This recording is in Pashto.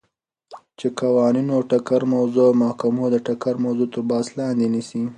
چی قوانینو ټکر موضوع او محاکمو د ټکر موضوع تر بحث لاندی نیسی ،